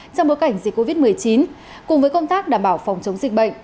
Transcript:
trong bối cảnh dịch covid một mươi chín cùng với công tác đảm bảo phòng chống dịch bệnh